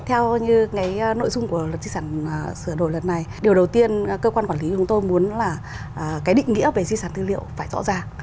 theo như cái nội dung của luật di sản sửa đổi lần này điều đầu tiên cơ quan quản lý chúng tôi muốn là cái định nghĩa về di sản tư liệu phải rõ ràng